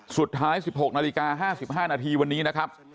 สุดท้าย๑๖นาฬิกา๕๕นาทีวันนี้นะครับ